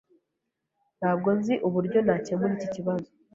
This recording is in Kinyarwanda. Ntabwo nzi uburyo nakemura iki kibazo.